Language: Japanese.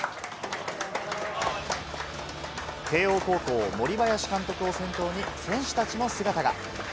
慶應高校・森林監督を先頭に選手たちの姿が。